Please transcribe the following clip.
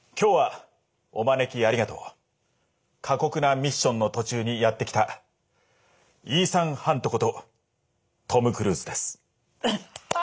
過酷なミッションの途中にやって来たイーサン・ハントことトム・クルーズです」。